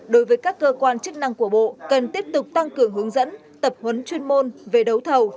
đối với các cơ quan chức năng của bộ cần tiếp tục tăng cường hướng dẫn tập huấn chuyên môn về đấu thầu